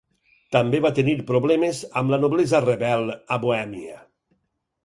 També va tenir problemes amb la noblesa rebel a Bohèmia.